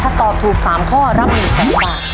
ถ้าตอบถูก๓ข้อรับ๑แสนบาท